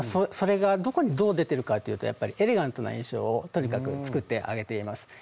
それがどこにどう出てるかというとやっぱりエレガントな印象をとにかく作ってあげています。